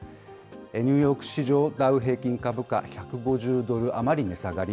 ニューヨーク市場ダウ平均株価、１５０ドル余り値下がり。